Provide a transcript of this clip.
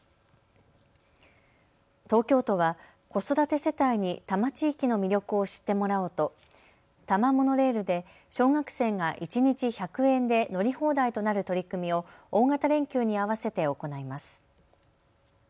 東京都は子育て世帯に多摩地域の魅力を知ってもらおうと多摩モノレールで小学生が一日１００円で乗り放題となる取り組みを大型連休に合わせて行います。